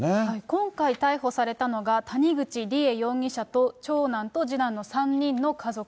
今回逮捕されたのが、谷口梨恵容疑者と、長男と次男の３人の家族。